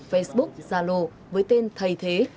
facebook zalo với tên thầy thế